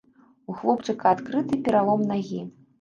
У хлопчыка адкрыты пералом нагі.